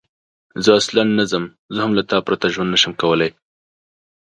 زه اصلاً نه ځم، زه هم له تا پرته ژوند نه شم کولای.